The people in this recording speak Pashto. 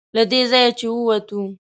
له دې ځایه چې ووتو.